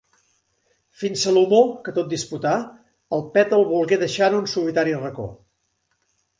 Fins Salomó, que tot disputà, el pet el volgué deixar en un solitari racó.